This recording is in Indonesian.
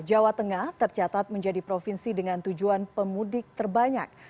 jawa tengah tercatat menjadi provinsi dengan tujuan pemudik terbanyak